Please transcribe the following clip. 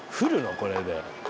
これで。